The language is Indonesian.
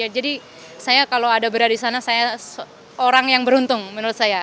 jadi saya kalau ada berada disana saya orang yang beruntung menurut saya